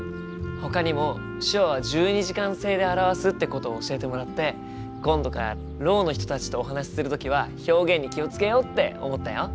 ほかにも手話は１２時間制で表すってことを教えてもらって今度からろうの人たちとお話しする時は表現に気を付けようって思ったよ。